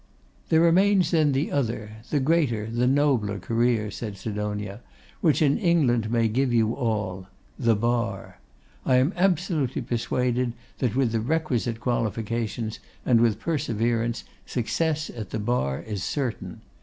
'There remains then the other, the greater, the nobler career,' said Sidonia, 'which in England may give you all, the Bar. I am absolutely persuaded that with the requisite qualifications, and with perseverance, success at the Bar is certain.